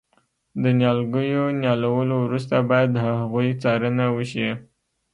د نیالګیو نیالولو وروسته باید د هغوی څارنه وشي.